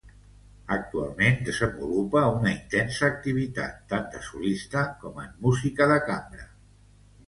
Actualment desenvolupa una intensa activitat tant de solista com en música de cambra.